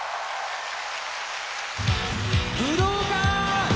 武道館！